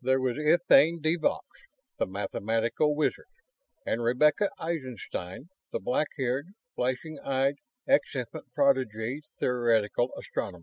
There was Etienne de Vaux, the mathematical wizard; and Rebecca Eisenstein, the black haired, flashing eyed ex infant prodigy theoretical astronomer.